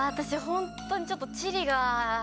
ホントにちょっと地理が。